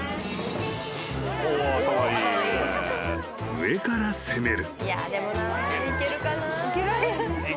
［上から攻める］